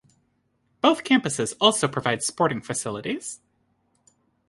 Both campuses also provide sporting facilities.